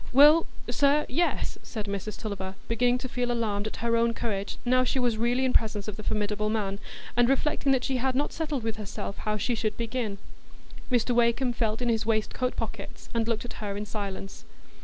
"Well, sir, yes," said Mrs Tulliver, beginning to feel alarmed at her own courage, now she was really in presence of the formidable man, and reflecting that she had not settled with herself how she should begin. Mr Wakem felt in his waistcoat pockets, and looked at her in silence.